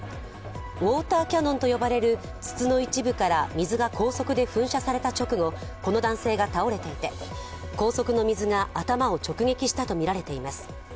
ウォーターキャノンと呼ばれる筒の一部から水が高速で噴射されたあと、この男性が倒れていて、高速の水が頭を直撃したとみられています。